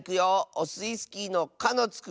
オスイスキーの「か」のつく